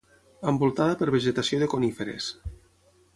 Envoltada per vegetació de coníferes.